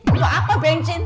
untuk apa bensin